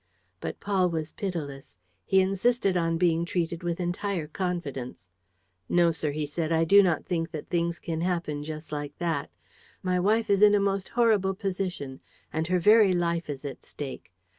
But Paul was pitiless. He insisted on being treated with entire confidence: "No, sir," he said, "I do not think that things can happen just like that. My wife is in a most horrible position; and her very life is at stake.